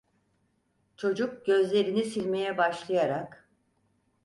Çocuk gözlerini silmeye başlayarak: